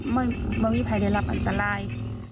มันไม่มีภายในรับอันตราย